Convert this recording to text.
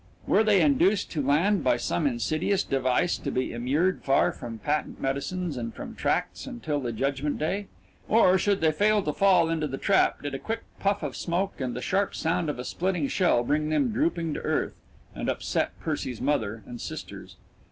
Were they induced to land by some insidious device to be immured far from patent medicines and from tracts until the judgment day or, should they fail to fall into the trap, did a quick puff of smoke and the sharp round of a splitting shell bring them drooping to earth and "upset" Percy's mother and sisters.